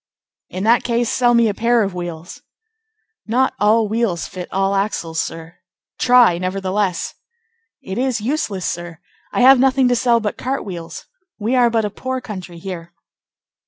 "In that case, sell me a pair of wheels." "Not all wheels fit all axles, sir." "Try, nevertheless." "It is useless, sir. I have nothing to sell but cart wheels. We are but a poor country here."